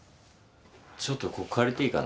ちょっとここ借りていいかな？